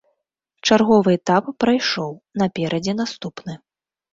Чарговы этап прайшоў, наперадзе наступны.